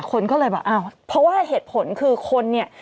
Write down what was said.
คนก็เลยบอกอ้าวเพราะว่าเหตุผลคือคนเนี่ย